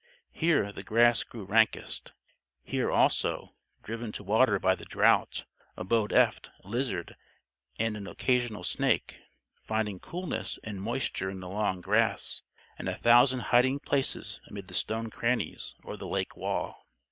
Here, the grass grew rankest. Here, also, driven to water by the drought, abode eft, lizard and an occasional snake, finding coolness and moisture in the long grass, and a thousand hiding places amid the stone crannies or the lake wall.